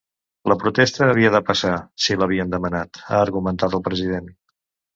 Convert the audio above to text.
La protesta havia de passar, si l’havien demanat, ha argumentat el president.